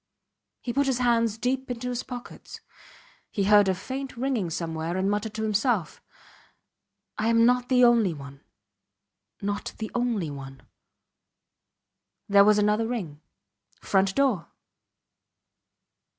He put his hands deep into his pockets. He heard a faint ringing somewhere, and muttered to himself: I am not the only one ... not the only one. There was another ring. Front door!